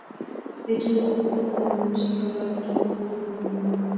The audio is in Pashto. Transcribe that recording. د جنګ او خپل سرنوشت په باره کې خوب ویني.